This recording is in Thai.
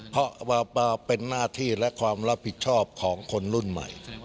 เพราะว่าเป็นหน้าที่และความรับผิดชอบของคนรุ่นใหม่